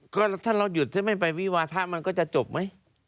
ก็ถ้าเราหยุดซะไม่ไปวิวาทะมันก็จะจบไหม